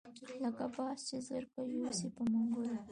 لکه باز چې زرکه یوسي په منګلو